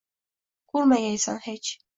Ko’rmagaysan hech